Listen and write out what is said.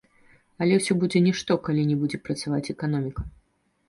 Але ўсё будзе нішто, калі не будзе працаваць эканоміка.